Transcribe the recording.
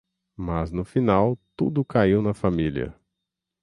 Mas no final... tudo caiu na família.